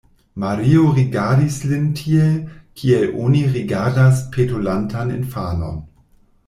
Mario rigardis lin tiel, kiel oni rigardas petolantan infanon.